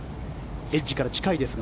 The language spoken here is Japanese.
エッジから近いですが。